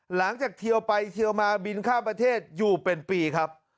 เทียวไปเทียวมาบินข้ามประเทศอยู่เป็นปีครับ